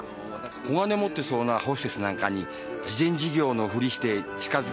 小金持ってそうなホステスなんかに慈善事業のふりして近づくんだ。